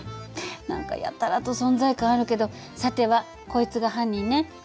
何かやたらと存在感あるけどさてはこいつが犯人ね。